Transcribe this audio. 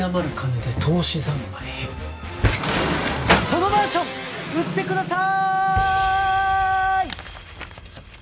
そのマンション売ってください！